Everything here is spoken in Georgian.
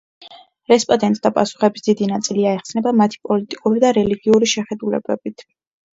რესპოდენტთა პასუხების დიდი ნაწილი აიხსნება მათი პოლიტიკური და რელიგიური შეხედულებებით.